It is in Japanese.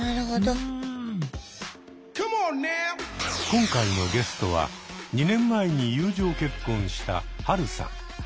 今回のゲストは２年前に友情結婚したハルさん。